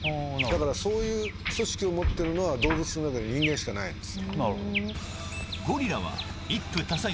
そういう組織を持ってるのは動物の中で人間しかないんです。